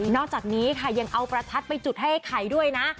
อกจากนี้ค่ะยังเอาประทัดไปจุดให้ไอ้ไข่ด้วยนะ